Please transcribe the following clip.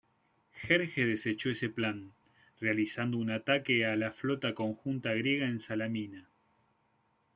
Jerjes desechó ese plan, realizando un ataque a la flota conjunta griega en Salamina.